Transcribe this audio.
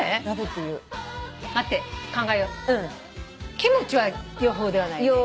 キムチは洋風ではないね。